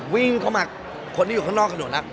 วิ่งเข้ามาคนที่อยู่ข้างนอกข้างหนูนะ